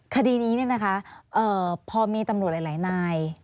คดีนี้พอมีตำรวจหลายนาย